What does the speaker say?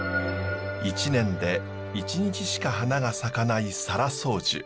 １年で１日しか花が咲かない沙羅双樹。